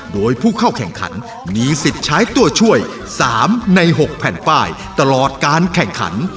โดยผู้เข้าแข่งขันมีสิทธิ์ใช้ตัวช่วย๓ใน๖แผ่นป้ายตลอดการแข่งขัน